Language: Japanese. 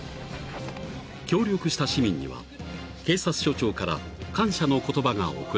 ［協力した市民には警察署長から感謝の言葉が贈られた］